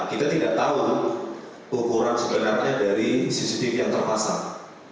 kita tidak tahu ukuran sebenarnya dari cctv yang terpasang